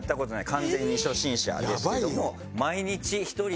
完全に初心者ですけども。